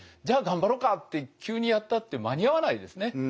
じゃあ頑張ろうかって急にやったって間に合わないですね。